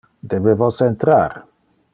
Debe vos entrar?